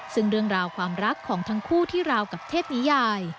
ซึ่งเรื่องราวความรักของทั้งคู่ที่ราวกับเทพนิยาย